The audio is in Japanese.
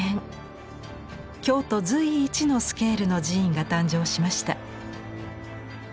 京都随一のスケールの寺院が誕生しました。